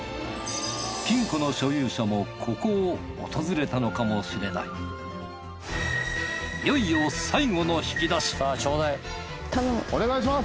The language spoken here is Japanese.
金庫の所有者もここを訪れたのかもしれないいよいよ最後の引き出しお願いします！